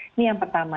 ini yang pertama